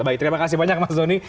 baik terima kasih banyak mas doni